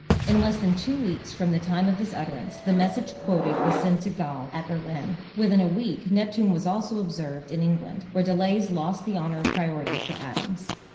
In less than two weeks from the time of this utterance the message quoted was sent to Galle at Berlin. Within a week Neptune was also observed in England, where delays lost the honor of priority for Adams.